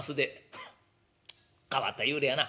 「フッ変わった幽霊やな。